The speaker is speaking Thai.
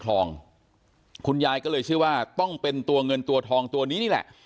คลองคุณยายก็เลยเชื่อว่าต้องเป็นตัวเงินตัวทองตัวนี้นี่แหละ